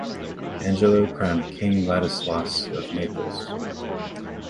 Angelo crowned king Ladislaus of Naples.